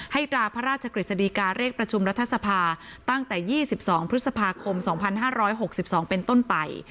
ตราพระราชกฤษฎีกาเรียกประชุมรัฐสภาตั้งแต่๒๒พฤษภาคม๒๕๖๒เป็นต้นไป